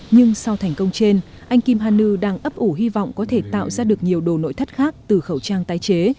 nhưng sau thành công trên anh kim ha nu đang ấp ủ hy vọng có thể tạo ra được nhiều đồ nội thất khác từ khẩu trang tái chế